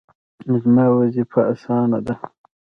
زما وظیفه اسانه ده